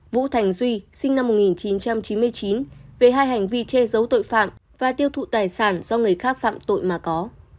vũ thành duy sinh năm một nghìn chín trăm chín mươi chín về hai hành vi che giấu tội phạm và tiêu thụ tài sản do người khác phạm tội mà có